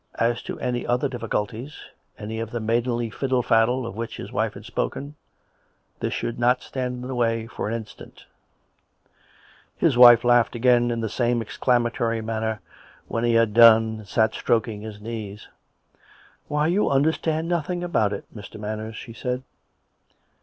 As to any other difficulties — any of the maidenly fiddle faddle of which his wife had spoken — this should not stand in the way for an instant. 76 COME RACK! COME ROPE! His wife laughed again in the same exclamatory man ner, when he had done and sat stroking his knees. " Why, you understand nothing about it, Mr. Manners," she said.